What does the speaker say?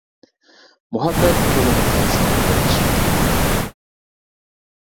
مۇھەببەت تولىمۇ قەيسەر بىر ئىش ئىكەن.